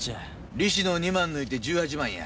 利子の２万抜いて１８万や。